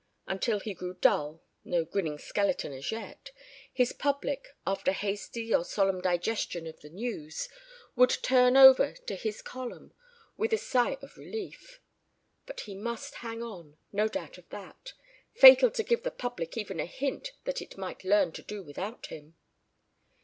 Until he grew dull no grinning skeleton as yet his public, after hasty or solemn digestion of the news, would turn over to his column with a sigh of relief. But he must hang on, no doubt of that. Fatal to give the public even a hint that it might learn to do without him.